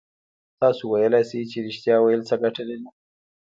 تاسو ویلای شئ چې رښتيا ويل څه گټه لري؟